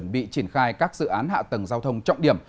bị triển khai các dự án hạ tầng giao thông trọng điểm